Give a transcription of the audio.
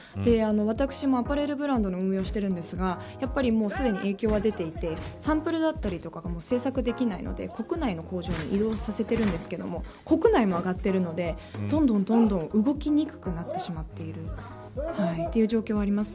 私もアパレルブランドの運営をしているんですがすでに影響は出ていてサンプルだったりが製作できないので国内の工場に移動させてるんですけど国内も上がってるのでどんどん動きにくくなってしまっているという状況があります。